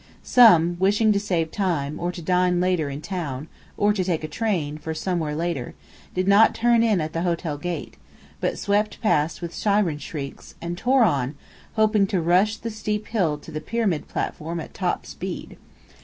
Some, wishing to save time, or to dine later in town, or to take a train, for somewhere, later, did not turn in at the hotel gate, but swept past with siren shrieks, and tore on, hoping to "rush" the steep hill to the Pyramid platform at top speed.